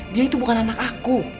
dia itu bukan anak aku